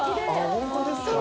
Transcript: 本当ですか？